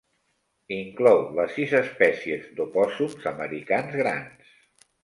Inclou les sis espècies d'opòssums americans grans.